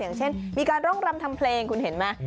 อย่างเช่นมีการร่องรำทำเพลงคุณเห็นไหม